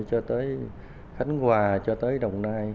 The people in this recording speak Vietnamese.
cho tới thánh hòa cho tới đồng nai